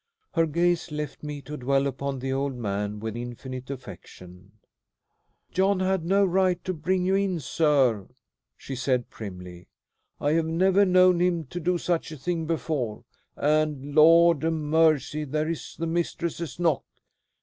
Her gaze left me to dwell upon the old man with infinite affection. "John had no right to bring you in, sir," she said primly. "I have never known him do such a thing before, and Lord a mercy! there is the mistress's knock.